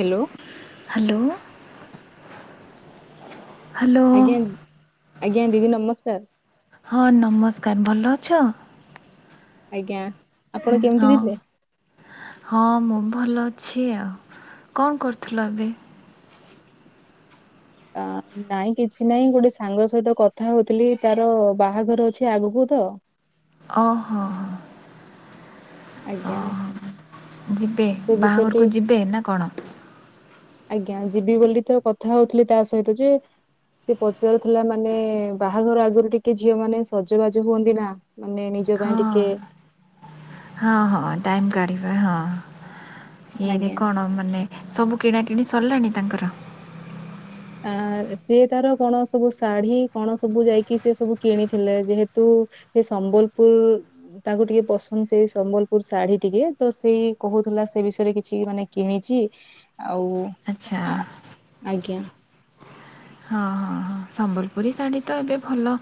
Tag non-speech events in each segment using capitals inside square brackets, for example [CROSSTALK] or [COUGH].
Hello hello. ଆଜ୍ଞା ଆଜ୍ଞା ଦିଦି ନମସ୍କାର। ହଁ ନମସ୍କାର ଭଲ ଅଛ? ଆଜ୍ଞା। ଆପଣ କେମିତି ହଁ ଥିଲେ? ହଁ ମୁଁ ଭଲ ଅ ଅଛି ଆଉ କଣ କରୁଥିଲ ଏବେ? ଆଁ ନାଇଁ କିଛି ନାଇଁ ଗୋଟେ ସାଙ୍ଗ ସହିତ କଥା ହୋଉଥିଲି ତାର ବାହାଘର ଅଛି ଆଗକୁ ତ ଓହୋ ହୋ ହ ଆଜ୍ଞା। ଯିବେ ସେ ବିଷୟରେ ବାହାଘରକୁ ଟିକେ ଯିବେ ନା କଣ? ଆଜ୍ଞା ଯିବି ବୋଲି ତ କଥା ହୋଉଥିଲି ତା ସହିତ ଯେ ସେ ପଚାରୁଥିଲା ମାନେ ବାହାଘର ଆଗରୁ ଟିକେ ଝିଅମାନେ ସଜବାଜ ହୁଅନ୍ତି ନା ମାନେ ନେ ନିଜ ହଁ ପାଇଁ ଟିକେ। ହଁ ହଁ ଟାଇମ୍ କାଢିବା ହଁ ଇଏରେ ଆଜ୍ଞା କଣ ମାନେ ସବୁ କିଣାକିଣି ସ ସରଲାଣି ତାଙ୍କର? ଆ ସିଏ ତାର କଣ ସବୁ ଶାଢୀ କଣ ସବୁ ଯାଇକି ସିଏ ସବୁ କିଣିଥିଲେ ଯେହେତୁ ହେଇ ସମ୍ବଲପୁର ଉଁ ତାକୁ ଟିକେ ପସନ୍ଦ ସେଇ ସମ୍ବଲପୁର ଶାଢୀ ଟିକେ ତ ସେଇ କହୁ ଥିଲା ସେ ବିଷୟରେ କିଛି ମାନେ କିଣିଛି ଆଉ ଆଚ୍ଛା। ଆ ଆଜ୍ଞା। ହଁ ହଁ ହଁ ସମ୍ବଲପୁରୀ ଶାଢୀ ତ ଏବେ ଭଲ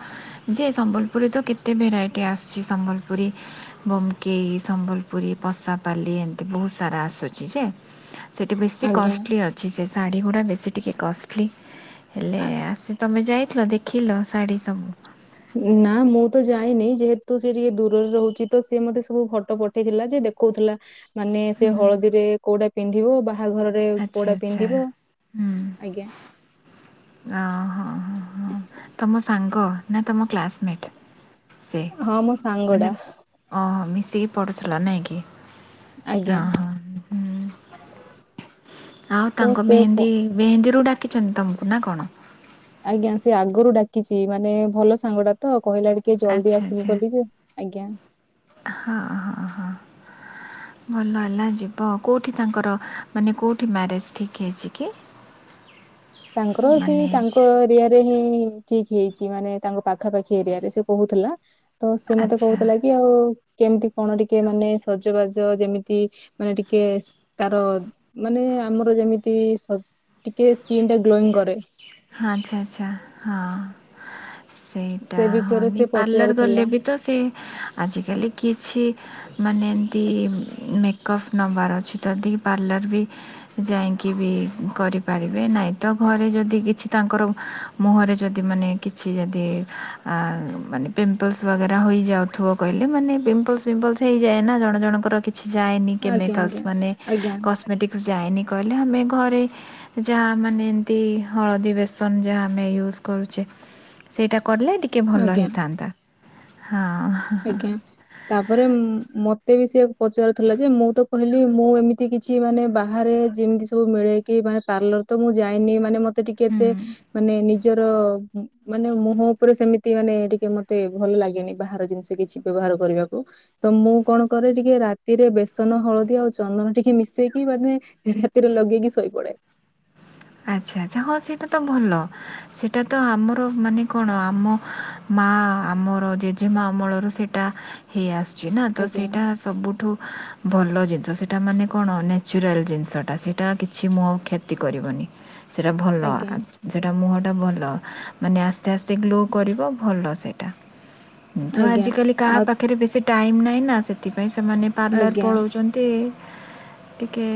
ଯେ ସମ୍ବଲପୁରରେ ତ କେତେ ଭେରାଇଟି ଆସଛି ସମ୍ବଲପୁରୀ ବୋମକେଇ ସମ୍ବଲପୁରୀ ପଷାପାଲି ଏମତି ବୋହୁତ ସାରା ଆସ ଚି ଯେ ସେଠି ବେଶୀ ଆଜ୍ଞା। କଷ୍ଟଲି ଅଛି ସେ ଶାଢ଼ୀଗୁଡ଼ା ଟିକେ କଷ୍ଟଲି। ହେଲେ ଆ, ଆସି ତମେ ଯାଇଥିଲ ଦେଖିଲ ଶାଢୀ ସବୁ? ଉଁ ନା ମୁଁ ତ ଯାଇନେଇ ଯେହେତୁ ସେ ଟିକେ ଦୂରରେ ରହୁଚି ତ ସିଏ ମୋତେ ସବୁ ଫଟୋ ପଠେଇଥିଲା ଯେ ଦେଖୋଉଥୁଲା ମାନେ ସେ ହୁଁ ହଳଦୀରେ କୋଉଟା ପିନ୍ଧିବ ବାହା ଆଚ୍ଛା ଆଚ୍ଛା ହୁଁ। ଆଜ୍ଞା ଅହଁ ହଁ ହଁ ତମ ସାଙ୍ଗ? ନା ତମ କ୍ଲାସମେଟ୍ ସେ। ହଁ ମୋ ସାଙ୍ଗ ଟା ମାନେ ଅ-ଅ ମି ସେ ପଡୁଥିଲା ନାଇଁ କି? ଆଜ୍ଞା। ଓହୋ ହୁଁ ଆଉ ତ ତାଙ୍କ ସେ ପ- ମେହେନ୍ଦୀ! ମେହେନ୍ଦୀରୁ ଡାକିଛନ୍ତି ତମକୁ ନା କଣ? ଆଜ୍ଞା, ସେ ଆଗରୁ ଡାକିଚ, ମାନେ ଭଲ ସାଙ୍ଗ ଟା ତ କହିଲା ଟିକେ ଜଲଦି ଆଚ୍ଛା ଆସିବୁ ଆଚ୍ଛା ବୋଲି ଯେ। ଆଜ୍ଞା। ହଁ ହଁ ହଁ। ଭଲ ହେଲା ଯିବ କୋଉଠି ତାଙ୍କର ମାନେ କୋଉଠି ମ୍ୟାରେଜ ଠିକ୍ ହେଇଛି କି? ତାଙ୍କର ସେ ମାନେ ତାଙ୍କ ଏରିଆରେ ହିଁ ଠିକ୍ ହେଇଛି ମାନେ ତାଙ୍କ ପାଖାପାଖି ଏରିଆରେ ସେ କହୁଥିଲା। ତ ସେ ମତେ ଆଚ୍ଛା କହୁଥିଲା କି ଆଉ କେମିତି କଣ ଟିକେ ମାନେ ସଜବାଜ, ଯେମିତି ମାନେ ଟିକେ ତାର ମାନେ ଆମର ଯେମିତି ସ ଟିକେ ସ୍କିନ୍ ଟା ଗ୍ଲୋଇଂ କରେ। ଆଛା ଆଛା ହଁ। ସେଇଟା ସେ ବିଷୟରେ ହଁନି ସେ ପାର୍ଲର୍ ଗଲେ ପଚାରୁଥିଲା ବି ତ ସେ, ଆଜିକାଲି କିଛି ମାନେ ଦି ମେକଅପ୍ ନେବାର ଅଛି। ଯଦିି ପାର୍ଲର୍ ବି ଯାଇଁକି ବି କରି ପାରିବେ ନାଇଁ ତ ଘରେ, ଯଦି କିଛି ତାଙ୍କର ମୁହଁରେ ଯଦି ମାନେ କିଛି ଯଦି ଆ ମାନେ ପିମ୍ପଲ୍ସ ବଗେରା ହୋଇଯାଉଥିବ କହିଲେ, ମାନେ ପିମ୍ପଲ୍ସ ପିମ୍ପଲ୍ସ ହେଇଯାଏ ନା, ଜଣ ଜଣଙ୍କର କି କିଛି ଯାଏନି। ଆଜ୍ଞା କେମିକାଲ୍ସ ଆଜ୍ଞା। ମାନେ ଆଜ୍ଞା କସ୍ମେଟିକ୍ସ ଯାଏନି, କହିଲେ ଆମେ ଘରେ ଯାହା ମାନେ ଏମତି ହଳଦୀ ବେସନ ଯାହା ଆମେ ୟୁଜ କରୁଛେ, ସେଇଟା କଲେ ଟିକେ ଭଲ ଆଜ୍ଞା ହେଇଥାନ୍ତା। ହଁ, ଆଜ୍ଞା, ତାପରେ ମ-ମତ ଏତେ ବି ସିଏ ପଚାରୁ ଥିଲା ଯେ, ମୁଁ ତ କହିଲି ମୁଁ ଏମିତି କିଛି ମାନେ ବାହାରେ ଯିମିତି ସବୁ ମିଳେେଇକି ମାନେ ପାର୍ଲର ତ ମୁଁ ଯାଏନି। ମାନେ ମତେ ଟିକେ ଏତେ ହୁଁ ମାନେ ନିଜ ନିଜର ଅ ମାନେ ମୁହଁ ଉପରେ ସେମିତି ମାନେ ଟିକେ ମତେ ଭଲ ଲାଗେନି। ବାହାର ଜିନି ସେ କିଛି ବ୍ୟବହାର କରିବାକୁ। ତ ମୁଁ କଣ କରେ ଟିକେ ରାତିରେ ବେସନ, ହଳଦୀ ଆଉ ଚନ୍ଦନ ଟିକେ ମି ମିଶେଇକି ମାନେ, ରାତିରେ ଲଗେଇକି ଶୋଇପଡେ। ଆଚ୍ଛା ଆଛା, ହଁ ସେଇଟା ତ ଭଲ। ସେଟା ତ ଆମର ମାନେ କଣ ଆମ ମାଁ ଆମର ଜେଜେମା ଅମଳରୁ ସେଇଟା ହେଇଆସୁ ଛିନା। ତ ଆଜ୍ଞା ସେଇଟା ସବୁଠୁ ଭଲ ଜିନିଷ। ତା ମାନେ କଣ? ନାଚୁରାଲ ଜିନଷ ଟା। ସେଟା କିଛି ମୁହ କ୍ଷତି କରିବନି। ସେଟା ଭଲ। ଆଜ୍ଞା ସେଟା ମୁହଁ ଭଲ ମାନେ ଆସ୍ତେ ଆସ୍ତେ ଗ୍ଲୋ କରିବ। ଭଲ ସେଟା। କିନ୍ତୁ ଆଜ୍ଞା ଆଜ କାଲି କାହା ଆଉ ପାଖରେ ବେଶୀ ଟାଇମ ନାହିଁ ନା। ସେଥିପାଇଁ ସେମାନେ ପାର୍ଲର ଆଜ୍ଞା ପଳଉଚନ୍ତି। ଟିକେ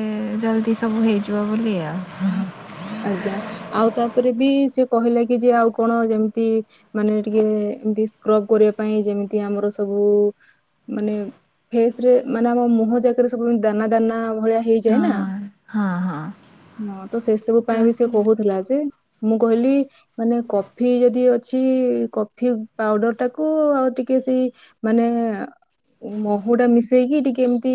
ଜଲଦି ସବୁ ହେଇଯିବ ବୋଲି ଆଉ। ଆଜ୍ଞା, ଆଉ ତାପରେ ବି ସେ କହିଲା କି ଯେ, ଆଉ କଣ ଯେମିତି ମାନେ ଟିକେ ଏମତି ସ୍କ୍ରବ କରିବା ପାଇଁ, ଯେମିତି ଆମର ସବୁ ମାନେ ଫେସ ରେ ମାନେ ଆମ ମୁହଁ ଜାକାରେ ସବୁ ଦାନା ଦାନା ଭଳିଆ ହେଇଯାଏ ହଁ ନା। ହଁ ହଁ। ହଁ ତ ସେ ସବୁ ପାଇଁ ବି ସେ କହୁଥିଲା ଯେ। ମୁଁ କ ଲି ମାନେ କଫି ଯଦି ଅଛି, କଫି ପାଉଡର ଟାକୁ ଆଉ ଟିକେ ସେଇ ମାନେ-ଏ ମହୁ ଟା ମିଶେଇକି ଟିକେ, ଏମିତି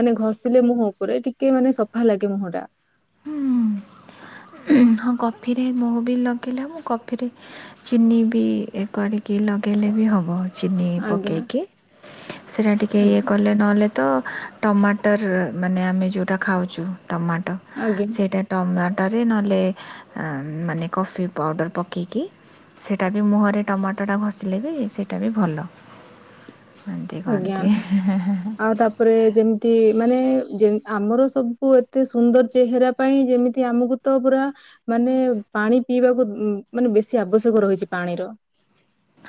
ମାନେ ଘଷିଲେ ମୁହଁ ଉପରେ ଟିକେ ମାନେ ସଫା ଲାଗେ। ମୁଟା। ହୁଁ ହୁଁ [INAUDIBLE] ହଁ କଫିରେ ମହୁ ବି ଲଗେଇଲେ ହବ। ମୁଁ କଫିରେ ଚିନି ବି-ଇ କରି କି ଲଗାଇଲେ ବି ହବ ଚିନି ଆଜ୍ଞା ପକେଇକି। ସେଇଟା ଟିକେ ଇଏ ଆଜ୍ଞା କଲେ ନହେଲେ ତ ଟମାଟର ମାନେ, ଆମେ ଯେଉଁଟା ଖାଉଛୁ ଟମାଟ ଆଜ୍ଞା ସେଇଟା ଟମାଟୋରେ ନହେଲେ, ମାନେ କଫି ପାଉଡ଼ର ପକେଇକି ସେଇଟା ବି ମୁହଁରେ ଟମାଟୋଟା ଘଷିଲେ ବି ସେଇଟା ବି ଭଲ। ଏମିତି ଆଜ୍ଞା, କହନ୍ତି ଆଉ ତାପରେ ଯେମିତି ମାନେ ଏ ଯେ ଆମର ସବୁ ଏତେ ସୁନ୍ଦର ଚେହେରା ପାଇଁ ଯେମିତି ଆମକୁ ତ ପୁରା ମାନେ ପାଣି ପିଇବାକୁ ମାନେ ବେଶୀ ଆବଶ୍ୟକ ରହିଛି ପାଣିର।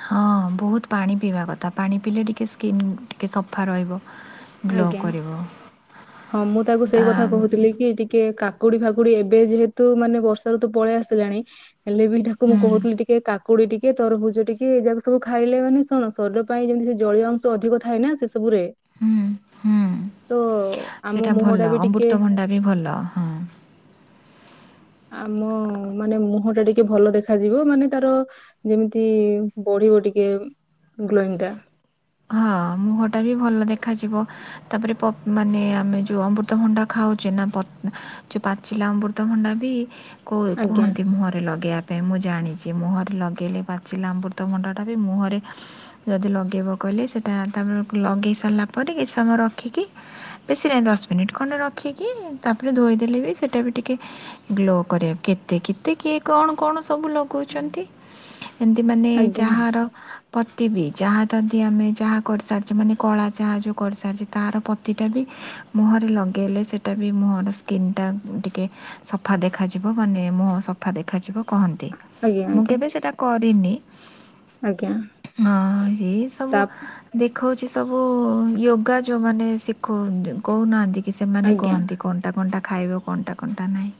ହଁ ବହୁତ ପାଣି ପିଇବା କଥା ପାଣି ପିଇଲେ ଟିକେ ସ୍କିନ୍ ଟିକେ ସଫା ରହିବ। ଗ୍ଲୋ ଆଜ୍ଞା, କରିବ ହଁ ମୁଁ ତାକୁ ସେଇ ତା କଥା କହୁଥିଲି କି ଟିକେ କା କାକୁଡି ଫାକୁଡି ଏବେ ଯେହେତୁ ମାନେ ବର୍ଷାରୁତୁ ପଳେଇ ଆସିଲାଣି, ହେଲେ ବି ଠାକୁ ମୁଁ ହୁଁ କହୁଥିଲି ଟିକେ କା କୁଡି ଟିକେ ତରଭୁଜ ଟିକେ ଏ ଯାକ ସବୁ ଖାଇଲେ ମାନେ ଣରୀର ପାଇଁ ଯେମିତି ଜଳୀୟ ଅଂଶ ଅଧିକ ଥାଏ ନା ସେ ସବୁରେ ହୁଁ ହୁଁ ତ ଆମ ସେଇଟା ମୁହଁ ଭଲ ଟା ବି ଟିକେ ଅମୃତଭଣ୍ଡା ବି ଭଲ ହଁ [INAUDIBLE] ଆମ ମାନେ ମୁହଁ ଟା ଟିକେ ଭଲ ଦେଖାଯିବ ମାନେ ତାର ଯେମିତି ବ ଟିକେ ଗ୍ଲୋଇଗ ଟା। ହଁ ମୁହଁ ଟା ବି ଭଲ ଦେଖାଯିବ ତାପରେ ମାନେ ଆମେ ଯୋଉ ଅମୃତଭଣ୍ଡା ଖାଉ ହଉଛ ନା ପ ଯୋଉ ପାଚିଲା ଅମୃତ ଭଣ୍ଡା ବି ଆଜ୍ଞା କୁହନ୍ତି ମୁହରେ ଲଗେଇବା ପାଇଁ ମୁଁ ଜାଣିଛି, ମୁହଁରେ ଲଗେଇଲି ପାଚିଲା ଅମୃତଭଣ୍ଡାଟା ବି ମୁହଁରେ ଯଦି ଲଗେଇବ କଲେ ସେଇଟା ତାପରେ ଲଗେଇ ସାରିଲା ପରେ କିଛି ସମୟ ରଖିକି ବେଶୀ ନାହିଁ ଦଶ ମିନିଟ୍ ଖଣ୍ଡେ ରଖ ରଖିକି ତାପରେ ଧୋଇଦେଲେ ବି ସେଇଟା ବି ଟିକେ ଗ୍ଲୋ କରିବା କେତେ କେତେ କିଏ କଣ କଣ ସବୁ ଲଗଉଛନ୍ତି। ହୁଁ [INAUDIBLE] ଏମିତି ମାନେ ଯାହାର ପତି ବି ଯାହାର ଆମେ ଚାହା କରିସାରିଛେ ମାନେ କଳା ଚାହା ଯୋଉ କରିସାରିଛିେ ତାାର ପତି ଟା ବି ମୁହଁରେ ଲଗେଇଲେ ସେଟା ବି ମୁହର ସ୍କିନ୍ ଟା ଟିକେ ସଫା ଦେଖାଯିବ ମାନେ ମୁହଁ ସଫା ଦେଖାଯିବ। କହନ୍ତି ଆଜ୍ଞା ମୁଁ ଆଜ୍ଞା କେବେ ସେଟା କରିନି, ଆଜ୍ଞା ତା ଦେଖାଉଛି ସବୁ ଯୋଗା ଯୋଉମାନ ଶିଖ କହୁନାହାନ୍ତି କି ସେମାନେ ଆଜ୍ଞା କହନ୍ତି କଣ୍ଟା କଣ୍ଟା ଖାଇବେ କଣ୍ଟା କଣ୍ଟା ନାହିଁ।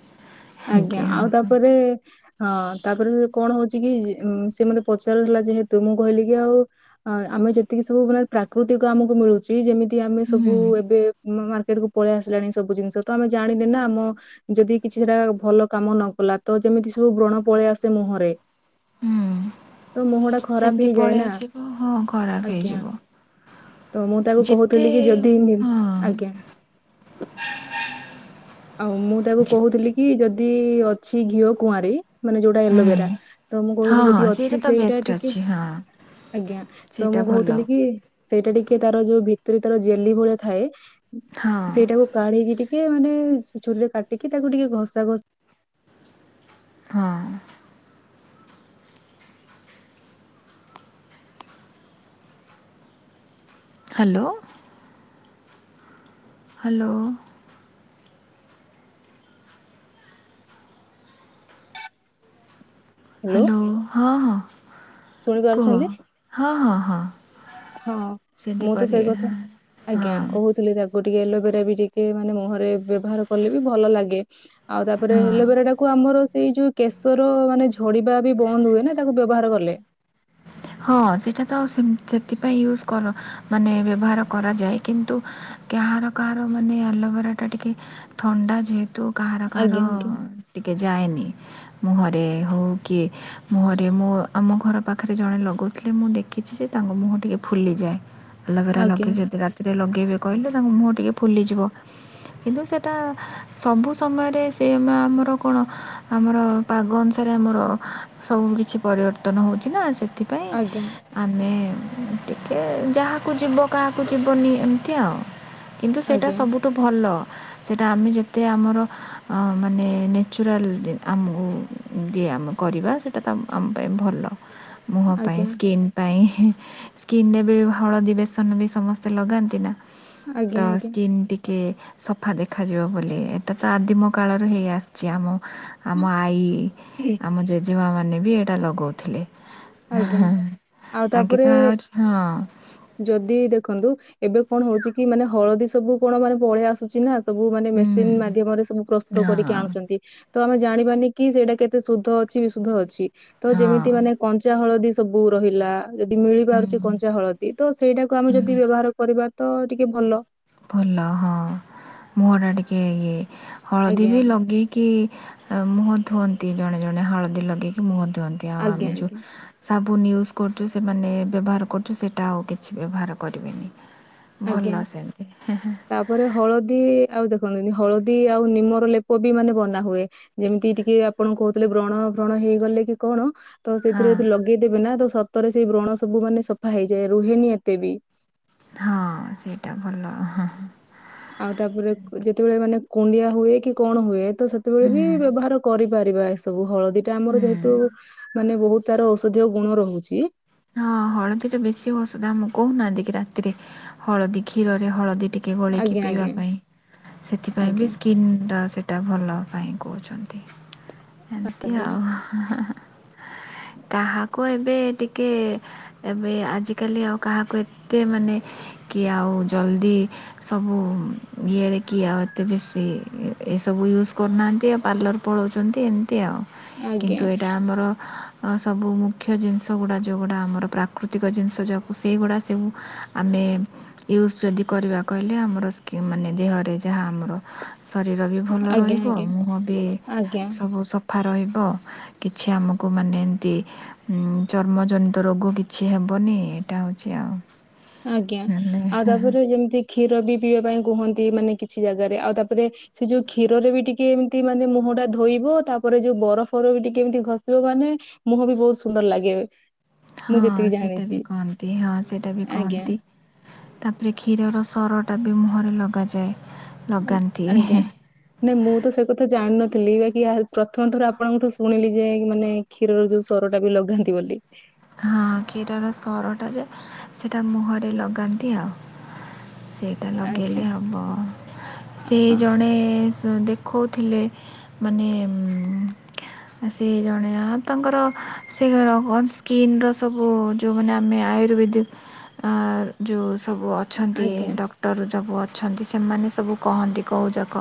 ଏମିତି ଆଜ୍ଞା ହଁ ଆଉ ତାପରେ ହଁ ତାପରେ କଣ ହଉଛି କି ସେ ମତେ ପଚାରଥିଲା ଯେହେତୁ ମୁଁ କହିଲି କି ଆଉ ଆମେ ଯେତିକି ସବୁ ମାନେ ପ୍ରାକୃତିକ ଆମକୁ ମିଳୁଛି ଯେମିତି ଆମେ ସବୁ ହୁଁ ଏବେ ସେଟାକୁ ପଳେଇ ଆସିଲାଣି ସବୁ ଜିନିଷ ତ ଆମେ ଜାଣିନେ ନା ଆମ ଯଦି କିଛି ସେଟା ଭଲ କାମ ନ କଲା ତ ଯେମିତି ସବୁ ବ୍ରଣ ପଳେଇ ଆସେ ମୁହଁରେ ହୁଁ ତ ମୁହଁ ଟା ଖରାପ ସେମିତି ହେଇଯାଏ ପଳେଇ ନା, ଆସିବ ହଁ ଖରାପ ଆଜ୍ଞା ହେଇଯିବ ତ ମୁଁ ତାକୁ ଯେତେ କହୁଥିଲି କି ଯଦି ନିି ହଁ ଆଜ୍ଞା ଆଉ ମୁଁ ତାକୁ ଯେ କହୁଥିଲି କି ଯଦି ଅଛି ଘିଅ କୁଆଁରୀ ମାନେ ଯୋଉଟା ହୁଁ ଏଲୋଭେରା, ତ ମୁଁ ହଁ କହୁଥିଲି ହଁ ଯଦି ଅଛି ତ ସେଇଟା ବେଷ୍ଟ ଟିକେ ଅଛି ହଁ। ଆଜ୍ଞା ତ ସେଇଟା ମୁଁ ଭଲ କହୁଥିଲି କି ସେଇଟା ଟିକେ ତାର ଯୋଉ ଭିତରେ ତାର ଜେଲି ଭଳିଆ ଥାଏ, ହଁ ସେଇଟାକୁ କାଢିକି ଟିକେ ଟିକେ ମାନେ ଛୁରୀରେ କାଟିକି ତାକୁ ଟିକେ ଘଷା ଘଷି ହଁ ହ୍ୟାଲୋ ହ୍ୟାଲୋ ହ୍ୟାଲୋ ହଁ ହଁ ଶୁଣି କୁହ ପାରୁଛନ୍ତି ହଁ ହଁ ହଁ ହଁ ସେମିତି ମୁଁ ତ ସେଇ କରିବେ କଥା, ହଁ ଆଜ୍ଞା ହଁ କହୁଥିଲି ତାକୁ ଗୋଟିକେ ଏଲୋଭେରା ବି ଟିକେ ମାନେ ମୁହରେ ବ୍ୟବହାର କଲେ ବି ଭଲ ଲାଗେ। ଆଉ ତାପରେ ହଁ। ଏଲୋଭେରା ଟାକୁ ଆମର ସେଇ ଯୋଉ କେଶର ମାନେ ଝଡିବା ବି ବନ୍ଦ ହୁଏ ନା ତାକୁ ବ୍ୟବହାର କଲେ? ହଁ ସେଇଟା ତ ସେଥିପାଇଁ ୟୁଜୁ କରା ମାନେ ବ୍ୟବହାର କରାଯାଏ କିନ୍ତୁ? କାହାର କାହାର ମାନେ ଆଲୋଭେରା ଟା ଟିକେ ଥଣ୍ଡା ଯେହେତୁ ତୁ କାହାର କାହାର ଆଜ୍ଞା ଯାଏନି, ମୁହରେ ହଉ କି ମୁହରେ ମୁଁ ଆମ ଘର ପାଖରେ ଜଣେ ଲଗାଉଥିଲେ ମୁଁ ଦେଖିଛି ଯେ ତାଙ୍କ ମୁହଁ ଟିକେ ଫୁଲିଯାଏ। ଆଲୋଭେରା ଆଜ୍ଞା ଲଗେଇ ଯଦି ରାତିରେ ଲଗେଇବେ କହିଲେ ତାଙ୍କ ମୁହଁ ଟିକେ ଫୁଲିଯିବ। କିନ୍ତୁ ସେଟା ସବୁ ସମୟରେ ସେ ନା ଆମର କଣ ଆମର ପାଗ ଅନୁସାରେ ସେ ଆମର ସବୁ କିଛି ପରିବର୍ତ୍ତନ ହେଉଛି ନା ସେଥିପାଇଁ ଆଜ୍ଞା। ଆମେ ଟିକେ ଯାହାକୁ ଯିବ କାହାକୁ ଯିବନି ଏମତି ଆଉ। କିନ୍ତୁ ସେଇଟା ଆଜ୍ଞା ସବୁଠୁ ଭଲ। ସେଇଟା ଆମେ ଯେତେ ଆମର ମାନେ ନ୍ୟାଚୁରାଲ ଆମକୁ ଆମେ କରିବା ସେଇଟା ତ ଆମ ଆମ ପାଇଁ ଭଲ ମୁହଁ ପାଇଁ ଆଜ୍ଞା ସ୍କିନ ପାଇଁ ହିଁ। ସ୍କିନ୍ ନେଲୁ ହଳଦୀ ବେସନ ବି ସମସ୍ତେ ଲଗାନ୍ତି ନା ତ ଆଜ୍ଞା ଆଜ୍ଞା ସ୍କିନ୍ ଟିକେ ସଫା ଦେଖାଯିବ ବୋଲି ଏଇଟା ତ ଆଦିମ କାଳରୁ ହେଇ ଆସିଛି ଆମ ଆମ ଆଈ ଆଜ୍ଞା। ଆମ ଜେଜେମା ମାନେ ବି ଏଇଟା ଲଗଉଥିଲେ। ଆଜ୍ଞା ହଁ ଆଉ ତାଙ୍କେ ତ ତାପରେ ଆହୁରି ହଁ ଯଦି ଦେଖନ୍ତୁ ଏବେ କଣ ହଉଛି କି ମାନେ ହଳଦୀ ସବୁ କଣ ମାନେ ପଳେଇ ଆସୁଛି ନା। ସବୁ ମାନେ ହୁଁ ମେସିନ ମାଧ୍ୟମରେ ସବୁ ପ୍ରସ୍ତୁତ କରିକି ହଁ ଆଣୁଛନ୍ତି। ତ ଆମେ ଜାଣିବାନି କି ସେଇଟା କେତେ ଶୁଦ୍ଧ ଅଛି ବିଶୁଦ୍ଧ ଅଛି ତ ହଁ ଯେମିତି ମାନେ କଞ୍ଚା ହଳଦୀ ସବୁ ରହିଲା ଯଦି ମିଳି ପାରୁଛି ହୁଁ କଞ୍ଚା ହଳଦୀ ତ ସେଇଟାକୁ ଆମେ ଯଦି ହୁଁ ବ୍ୟବହାର କରିବା। ତ ଟିକେ ଭଲ ଭଲ ହଁ ମୁହଟା ଟିକେ ଇଏ ହଳଦୀ ଆଜ୍ଞା ବି ଲଗେଇକି ମୁହଁ ଧୁଅନ୍ତି ଜଣେ ଜଣେ ହଳଦୀ ଲଗେଇକି ମୁହଁ ଧୁଅନ୍ତି ଆଉ ଆଜ୍ଞା ଆମେ ଯୋଉ ଆଜ୍ଞା ସାବୁନ ୟୁଜ୍ କରୁଛୁ ସେମାନେ ବ୍ୟବହାର କରୁଛୁ ସେଇଟା ଆଉ କିଛି ବ୍ୟବହାର କରିବେନି ଆଜ୍ଞା। ଭଲ ସେମିତି ତାପରେ ହଳଦୀ ଆଉ ଦେଖୁ ହଳଦୀ ଆଉ ନିମର ଲେପ ବି ମାନେ ବନା ହୁଏ ଯେମିତି ଟିକେ ଆପଣ କହୁଥିଲେ ବ୍ରଣ କଣ ହେଇଗଲେ କି କଣ ତ ସେଇଥିରେ ହଁ ଯଦି ଲଗେଇଦେବେ ନା ତ ସତରେ ସେଇ ବ୍ରଣ ସବୁ ମାନେ ସଫା ହେଇଯାଏ ରୁହେନି ଏତେ ବି ହଁ ସେଇଟା ଭଲ ହଁ ହଁ। ଆଉ ତାପରେ କୁ ଯେତେବେଳେ ମାନେ କୁଣ୍ଡିଆ ହୁଏ କି କଣ ହୁଏ ତ ସେତେବେଳେ ବି ହୁଁ। ବ୍ୟବହାର କରି ପାରିବା ଏସବୁ ହଳଦୀ ଟା ଆମର ହୁଁ ଯେହେତୁ ମାନେ ବହୁତ ତାର ଔଷଧୀୟ ଗୁଣ ରହୁଛି। ହଁ ହଳଦୀ ଟା ବେଶୀ ଔଷଧ ଆମ କହୁନାହାନ୍ତି କିି ରାତିରେ ହଳଦୀ କ୍ଷୀରରେ ହଳଦୀ ଟି ଗୋଲକ ଆଜ୍ଞା ପିଇବା ଆଜ୍ଞା ପାଇଁ ସେଥିପାଇଁ ବି ଆଜ୍ଞା ସ୍କିନ୍ ଟା ସେଟା ଭଲ ପାଇଁ କହୁଛନ୍ତି ଏମିତି ଆଜ୍ଞା ଆଉ ହେଁ ହେଁ। କାହାକୁ ଏବେ ଟିକେ କେ ଏବେ ଆଜିକାଲି ଆଉ କାହାକୁ ଏତେ ମାନେ କି ଆଉ ଜଲ୍ଦି ସବୁ ଇଏରେ କି ଆଉ ଏତେ ବେସି ଏ ସବୁ ୟୁଜ କରୁନାହାନ୍ତି ଏବେ ପାଲର ପଳାଉଛନ୍ତି ଏମିତି ଆଉ କିନ୍ତୁ ଆଜ୍ଞା ଏଇଟା ଆମର ସବୁ ମୁଖ୍ୟ ଜିନିଷ। ସେଗୁଡ଼ା ଯୋଉ ଗୁଡ଼ା ଆମର ପ୍ରାକୃତିକ ଜିନିଷ ଯ ସେଗୁଡ଼ା ସବୁ ଆମେ ୟୁଜ୍ ଯଦି କରିବା କହିଲେ ଆମର ସ୍କ୍ରିନ ମାନେ ଦେହରେ ଯାହା ଆମର ଶରୀର ବି ଭଲ ଆଜ୍ଞା ରହିବ ଆଜ୍ଞା ମୁହଁ ବି ଆଜ୍ଞା ସବୁ ସ ସଫା ରହିବ କିଛି ଆମକୁ ମାନେ ଏମିତି ଚର୍ମଜନିତ ରୋଗ କିଛି ହେବନି ଏଇଟା ହେଉଛି ଆଉ। ଆଜ୍ଞା ନହେଲେ ଆଉ ତାପରେ ଯେମିତି କ୍ଷୀର ବି ପିଇବା ପାଇଁ କୁହନ୍ତି ମାନେ କିଛି ଜାଗାରେ ଆଉ ତାପରେ ସେ ଯୋଉ କ୍ଷୀରରେ ବି ଟିକେ ଏମିତି ମାନେ ମୁହଁ ଟା ଧୋଇବ ତାପରେ ରେ ଯୋଉ ବରଫର ବି ଟିକେ ଏମିତି ଘଷିବ ମାନେ ମୁହଁ ବି ବହୁତ ସୁନ୍ଦର ଲାଗେ ମୁଁ ହଁ ଯେତିକି ସେଇଟା ବି ଜାଣିଛି କହନ୍ତି ହଁ ସେଟା ବି ଆଜ୍ଞା କହନ୍ତି ତାପରେ କ୍ଷୀର ସରଟା ବି ମୁହଁରେ ଲଗାଯାଏ। ଲଗାନ୍ତି ଆଜ୍ଞା ନାଇଁ ମୁଁ ତ ସେ କଥା ଜାଣିନ ବା କି ପ୍ରଥମେ ଥର ଆପଣଙ୍କଠୁ ଶୁଣିଲି ଯେ ମାନେ କ୍ଷୀରର ଯୋଉ ସର ଟା ବି ଲଗାନ୍ତି ବୋଲି ହଁ ଖୀରର ସରଟା ଯେ ସେଟା ମୁହଁରେ ଲଗାନ୍ତି ଆଉ। ସେଇଟା ଆଜ୍ଞା ଲଗେଇଲେ ହେବ ସେ ଆ- ଜଣେ ଦେଖଉଥିଲେ ମାନେ ସେ ଜଣେ ଆ ତାଙ୍କର ସେ ଘର [UNINTELLIGIBLE] ସ୍କିନ୍ର ସବୁ ଯେଉଁମାନେ ଆମେ ଆୟୁର୍ବେଦିକ ଯୋଉଁ ସବୁ ଅଛନ୍ତି ଆଜ୍ଞା ଡକ୍ଟର ସବୁ ଅଛନ୍ତି ସେମାନେ ସବୁ କହନ୍ତି କହୁଯାକ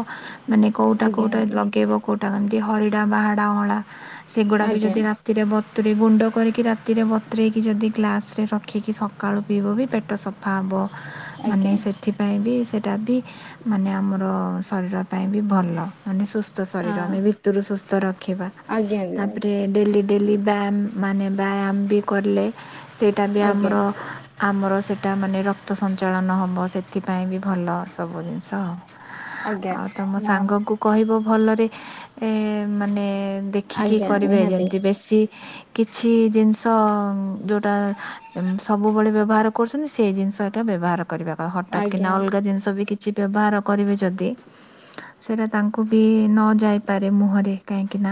ମାନେ ଆଜ୍ଞା କେଉଁଟା-କେଉଁଟା ଆଜ୍ଞା ଲଗେଇବ କେଉଁଟା କେମିତି ହରିଡ଼ା, ବାହାଡ଼ା, ଅଁଳା ସେଗୁଡା ବି ଆଜ୍ଞା ଯଦି ରାତିରେ ବତୁୁରୀ ଗୁଣ୍ଡ କରିକି ରାତି ବତୁରେଇକି ଯଦି ଗ୍ଲାସ୍ ରେ ରଖିକି ସକାଳୁ ପିଇବ ବି ପେଟ ସଫା ହେବ। ଆଜ୍ଞା ମାନେ ସେଥିପାଇଁ ବି ସେଇଟା ବି ମାନେ ଆମର ଶରୀର ପାଇଁ ବି ଭଲ ମାନେ ସୁସ୍ଥ ଶରୀର ଆ- ମାନେ ଭିତରୁ ସୁସ୍ଥ ରଖିବା ଆଜ୍ଞା ତା ଆଜ୍ଞା ପରେ ଡେଲି ଡେଲି ବ୍ୟାୟାମ ମାନେ ବ୍ୟାୟାମ ବି କଲେ ସେଇଟା ବି ଆଜ୍ଞା ଆମର ଆମର ସେଇଟା ମାନେ ରକ୍ତ ସଞ୍ଚାଳନ ହେବ ସେଥିପାଇଁ ବି ଭଲ ସବୁ ଜିନିଷ ଆଜ୍ଞା ଆଉ ତମ ହଁ, ସାଙ୍ଗଙ୍କୁ କହିବ ଭଲରେ ମାନେ ଦେଖିକି ଆଜ୍ଞା କରିବେ ନିହାତି। ଯେମିତି ବେଶୀ କିଛି କିଛି ଜିନିଷ ଯେଉଁଟା ସବୁବେଳେ ବ୍ୟବହାର କରୁଛନ୍ତି ସେଇ ଜିନିଷ ଏକା ବ୍ୟବହାର କର କରିବ ହଠାତ୍ କିନା ଆଜ୍ଞା ଅଲଗା ଜିନିଷ ବି କିଛି ବ୍ୟବହାର କରିବେ ଯଦି ସେଟା ତାଙ୍କୁ ବି ନ ଯାଇପାରେ ମୁହଁରେ କାହିଁକି ନା